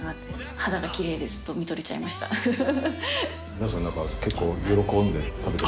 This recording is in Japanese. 皆さん結構喜んで食べて。